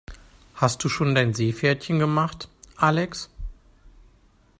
Hast du schon dein Seepferdchen gemacht, Alex?